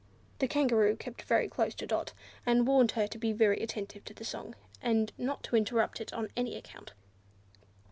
The Kangaroo kept very close to Dot, and warned her to be very attentive to the song, and not to interrupt it on any account.